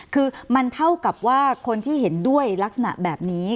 คือมันเท่ากับว่าคนที่เห็นด้วยลักษณะแบบนี้